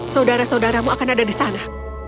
saudara saudaramu akan ada di sana